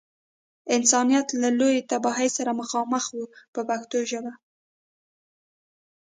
انسانیت له لویې تباهۍ سره مخامخ و په پښتو ژبه.